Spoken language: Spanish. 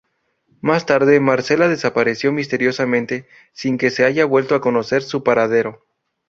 Más tarde, Marcela desapareció misteriosamente, sin que se haya vuelto a conocer su paradero.